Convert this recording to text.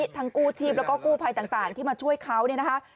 กู้ชีพแล้วก็กู้ภัยต่างที่มาช่วยเขาเนี่ยนะคะ